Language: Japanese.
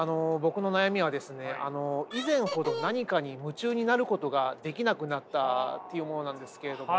以前ほど何かに夢中になることができなくなったっていうものなんですけれども。